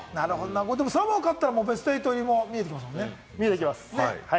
サモアに勝ったらベスト８入りも見えてきますよ